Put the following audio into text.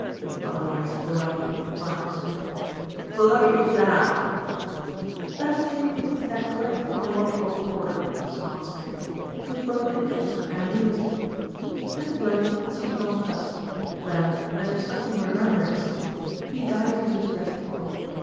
"Otherwise Bluggy," murmured Smith. "Bluggy be damned!" "Let us take things in their correct chronological order," smiled Smith. He was both interested and amused. Mr. Bluggs seemed nonplussed, then, as if suddenly remembering something, he dived into his breast pocket.